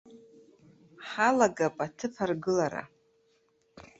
Ҳалагап аҭыԥ аргылара.